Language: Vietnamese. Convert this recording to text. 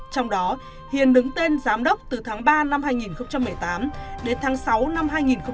trong đó hiền đứng tên giám đốc từ tháng ba năm hai nghìn một mươi tám đến tháng sáu năm hai nghìn một mươi bảy